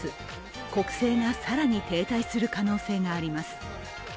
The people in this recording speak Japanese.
国政が更に停滞する可能性があります。